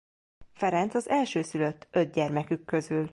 Ferenc az elsőszülött öt gyermekük közül.